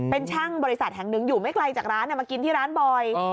เป็นช่างบริษัทแห่งหนึ่งอยู่ไม่ไกลจากร้านมากินที่ร้านบ่อย